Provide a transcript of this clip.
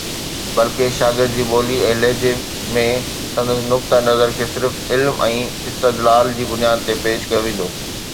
بلڪه، شاگرد جي ٻولي ۽ لهجي ۾، سندس نقطه نظر کي صرف علم ۽ استدلال جي بنياد تي پيش ڪيو ويندو